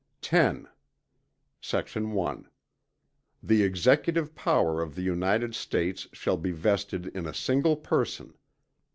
X Sect. 1. The Executive Power of the United States shall be vested in a single person.